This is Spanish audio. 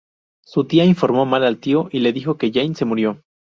Su tía informó mal al tío y le dijo que Jane se murió.